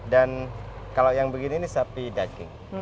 dan kalau yang begini ini sapi daging